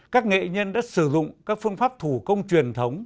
các nghệ nhân đã sử dụng các phương pháp thủ công truyền thống